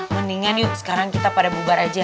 mendingan yuk sekarang kita pada bubar aja